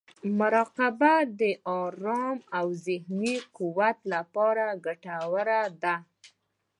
مراقبه د ارامۍ او ذهني قوت لپاره ګټوره ده.